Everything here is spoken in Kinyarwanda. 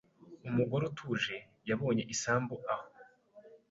Umugore utuje yabonye isambu aho